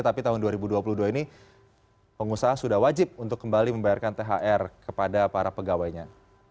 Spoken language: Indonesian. tapi tahun dua ribu dua puluh dua ini pengusaha sudah wajib untuk kembali membayarkan thr kepada para pegawainya